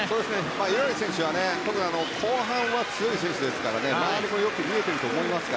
五十嵐選手は後半強い選手ですから周りもよく見えていると思います。